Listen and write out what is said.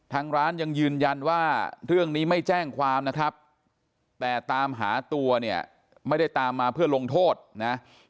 ทางร้านยังยืนยันว่าเรื่องนี้ไม่แจ้งความนะครับแต่ตามหาตัวเนี่ยไม่ได้ตามมาเพื่อลงโทษนะ